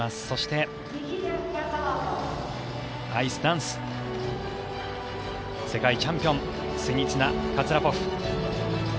そしてアイスダンス世界チャンピオンシニツィナ、カツァラポフ。